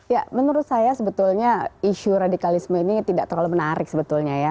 ya menurut saya sebetulnya isu radikalisme ini tidak terlalu menarik sebetulnya ya